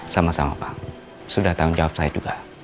sama sama pak sudah tanggung jawab saya juga